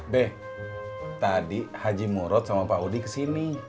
be tadi haji murud sama pak udi kesini